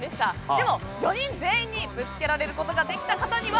でも４人全員にぶつけられることができた方には